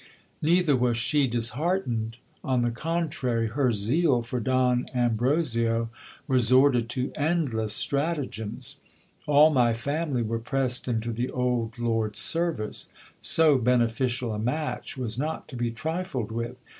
Neither was she disheartened : on the contrary, her zeal for Don Ambrosio resorted to endless stratagems. All my family were pressed into the old lord's service. So beneficial a match was not to be trifled with